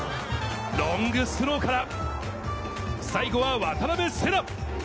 ロングスローから最後は渡邊星来。